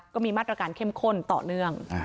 ก็มีมาตรการเข้มข้นต่อเนื่อง